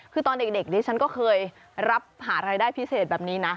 คือตอนเด็กดิฉันก็เคยรับหารายได้พิเศษแบบนี้นะ